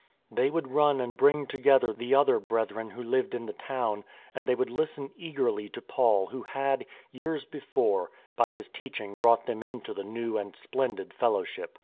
They would run and bring together the other Brethren who lived in the town, and they would listen eagerly to Paul who had, years before, by his teaching brought them into the new and splendid Fellowship.